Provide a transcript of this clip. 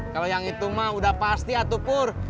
kalau yang itu mah udah pasti ya tuh pur